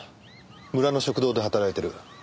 村の食堂で働いている。